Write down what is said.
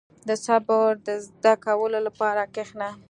• د صبر د زده کولو لپاره کښېنه.